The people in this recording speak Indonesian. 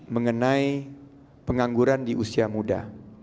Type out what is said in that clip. mengenai pengangguran di usia muda